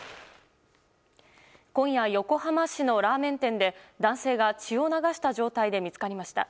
今夜、横浜市のラーメン店で男性が血を流した状態で見つかりました。